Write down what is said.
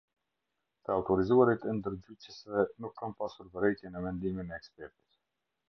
Të autorizuarit e ndërgjyqësve nuk kanë pasur vërejtje në mendimin e ekspertit.